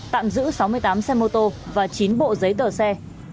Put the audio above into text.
tạm giữ sáu mươi tám xe mô tô và chín bộ giấy tờ xe